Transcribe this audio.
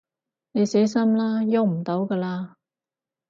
你死心啦，逳唔到㗎喇